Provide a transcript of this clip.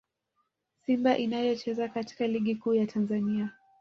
Simba inayocheza katika Ligi Kuu ya Tanzania